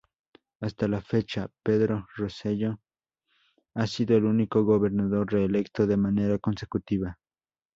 Hasta la fecha, Pedro Rosselló ha sido el único gobernador reelecto de manera consecutiva.